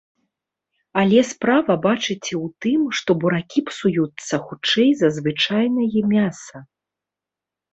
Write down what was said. Але справа, бачыце, у тым, што буракі псуюцца хутчэй за звычайнае мяса.